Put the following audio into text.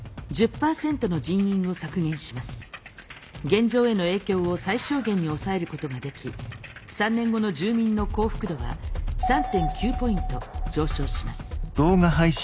現状への影響を最小限に抑えることができ３年後の住民の幸福度は３．９ポイント上昇します。